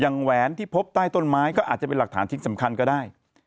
แหวนที่พบใต้ต้นไม้ก็อาจจะเป็นหลักฐานชิ้นสำคัญก็ได้